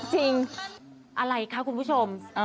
จริงอะไรคะคุณผู้ชม